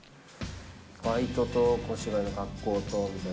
バイトとお芝居の学校とみたいな。